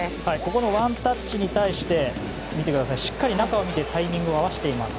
ここのワンタッチに対してしっかり中を見てタイミングを合わせています。